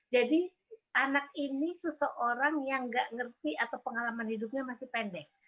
jadi anak ini seseorang yang gak ngerti atau pengalaman hidupnya masih pendek